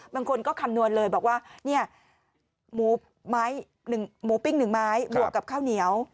บางคนก็คำนวณเลยบอกว่าเนี่ยหมูปิ้ง๑ไม้บวกกับข้าวเหนียว